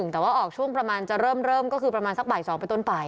แต่ว่าออกช่วงประมาณจะเริ่มก็คือประมาณสักบ่าย๒ไปต้นไป